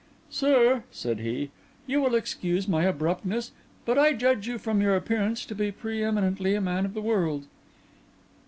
"Sir," said he, "you will excuse my abruptness; but I judge you from your appearance to be pre eminently a man of the world."